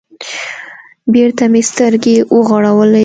بېرته مې سترگې وغړولې.